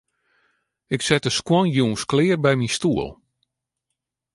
Ik set de skuon jûns klear by myn stoel.